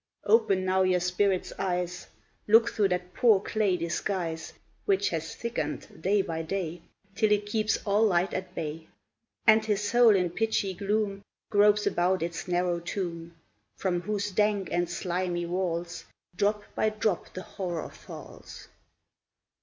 Open now your spirit's eyes, Look through that poor clay disguise Which has thickened, day by day, Till it keeps all light at bay, And his soul in pitchy gloom Gropes about its narrow tomb, From whose dank and slimy walls Drop by drop the horror falls.